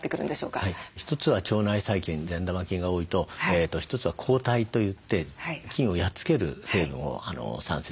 一つは腸内細菌善玉菌が多いと一つは抗体といって菌をやっつける成分を産生します。